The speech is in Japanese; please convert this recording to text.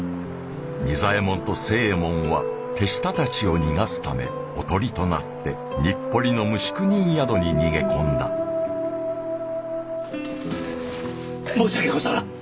仁左衛門と星右衛門は手下たちを逃がすためおとりとなって日暮里の無宿人宿に逃げ込んだ申し訳ござらん！